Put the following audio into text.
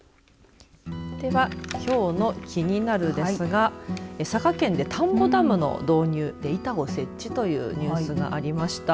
では、きょうのキニナル！ですが佐賀県で田んぼダムの導入板を設置というニュースがありました。